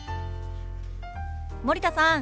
森田さん